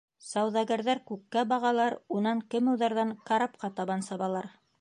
Сауҙагәрҙәр күккә бағалар, унан кемуҙарҙан карапҡа табан сабалар.